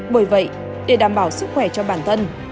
bởi vậy để đảm bảo sức khỏe cho bản thân